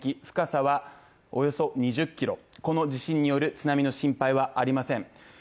深さはおよそ２０ｋｍ、この地震による津波の心配はありません。